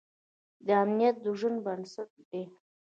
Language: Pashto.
امنیت د ژوند بنسټ دی.